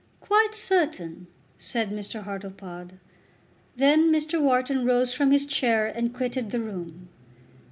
"Quite certain," said Mr. Hartlepod. Then Mr. Wharton rose from his chair and quitted the room.